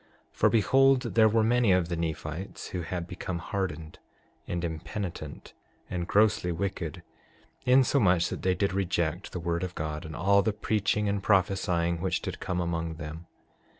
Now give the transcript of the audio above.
6:2 For behold, there were many of the Nephites who had become hardened and impenitent and grossly wicked, insomuch that they did reject the word of God and all the preaching and prophesying which did come among them.